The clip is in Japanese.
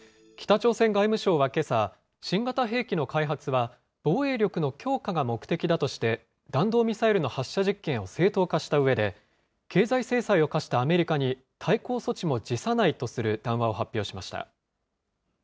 北朝鮮外務省はけさ、新型兵器の開発は、防衛力の強化が目的だとして、弾道ミサイルの発射実験を正当化したうえで、経済制裁を科したアメリカに、対抗措置も辞さないとする談話を発表しました。